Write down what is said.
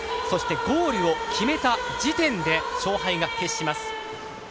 そしてゴールを決めた時点で勝敗が決します。